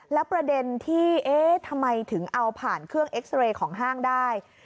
แล้วประเด็นที่เอ๊ะทำไมถึงเอาผ่านเครื่องเอ็กซ์เรย์ของห้างได้